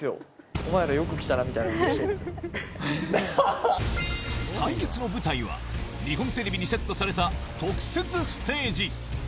お前らよく来たなみたいな腕対決の舞台は、日本テレビにセットされた特設ステージ。